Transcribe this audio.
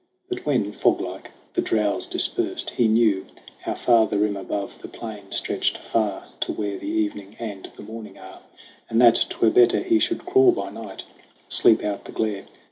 But when, fog like, the drowse dispersed, he knew How from the rim above the plain stretched far To where the evening and the morning are, And that 'twere better he should crawl by night, Sleep out the glare.